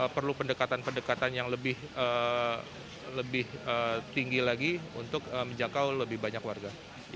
perlu pendekatan pendekatan yang lebih tinggi lagi untuk menjangkau lebih banyak warga